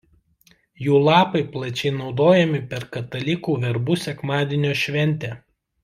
Jų lapai plačiai naudojami per katalikų verbų sekmadienio šventę.